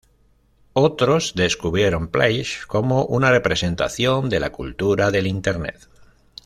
Otros describieron Place como una representación de la cultura del Internet.